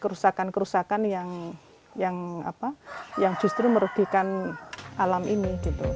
kemudian ada banyak kerusakan kerusakan yang justru merugikan alam ini